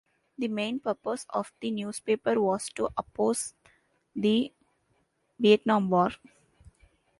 The main purpose of the newspaper was to oppose the Vietnam war.